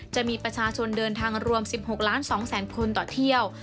จะมีประชาชนเดินทางรวม๑๖ล้าน๒แสนคนต่อเที่ยว